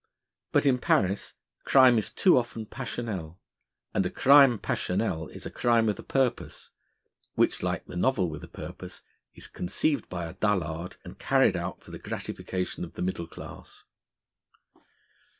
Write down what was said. But in Paris crime is too often passionel, and a crime passionel is a crime with a purpose, which, like the novel with a purpose, is conceived by a dullard, and carried out for the gratification of the middle class.